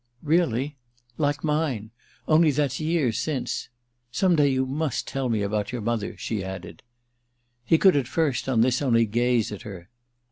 "Really?—like mine! Only that's years since. Some day you must tell me about your mother," she added. He could at first, on this, only gaze at her.